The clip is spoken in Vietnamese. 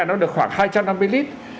nó được khoảng hai trăm năm mươi lít